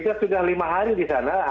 dan kita sudah lima hari di sana